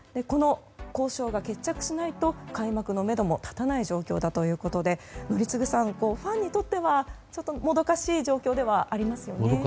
交渉が決着しないと開幕のめども立たない状況だということで宜嗣さん、ファンにとってはもどかしい状況ではありますよね。